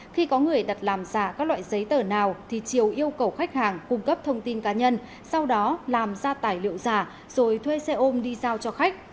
khi có người đặt làm giả các loại giấy tờ nào thì triều yêu cầu khách hàng cung cấp thông tin cá nhân sau đó làm ra tài liệu giả rồi thuê xe ôm đi giao cho khách